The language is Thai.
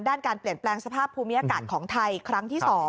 ด้านการเปลี่ยนแปลงสภาพภูมิอากาศของไทยครั้งที่๒